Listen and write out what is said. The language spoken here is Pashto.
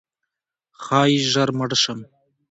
ښایي ژر مړ شم؛